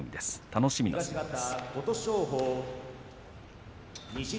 楽しみな一番です。